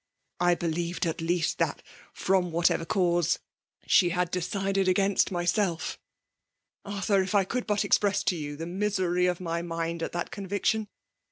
" I believed at least that« from vrhatever cause, she had decided against myself. Arthur, if I could but express to you the misery of my mkid at that conviction